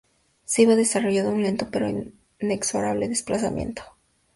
Se iba desarrollando un lento pero inexorable desplazamiento de la producción nacional.